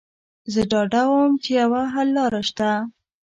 زه ډاډه وم چې یوه حل لاره شته